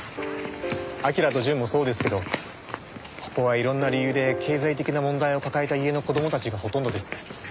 彬と淳もそうですけどここはいろんな理由で経済的な問題を抱えた家の子供たちがほとんどです。